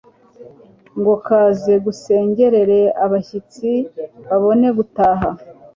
ngo kaze gasengere abashyitsi babone gutaha